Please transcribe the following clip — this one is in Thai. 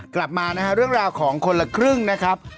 กลับมานะฮะเรื่องราวของคนละครึ่งนะครับ